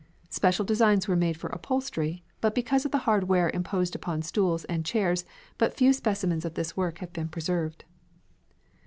Special designs were made for upholstery, but because of the hard wear imposed upon stools and chairs but few specimens of this work have been preserved.